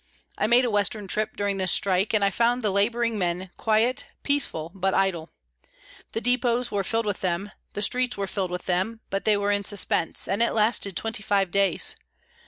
I made a Western trip during this strike, and I found the labouring men quiet, peaceful, but idle. The depôts were filled with them, the streets were filled with them, but they were in suspense, and it lasted twenty five days.